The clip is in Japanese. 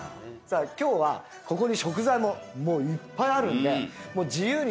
今日はここに食材もいっぱいあるんで自由に。